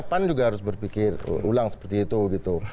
pan juga harus berpikir ulang seperti itu gitu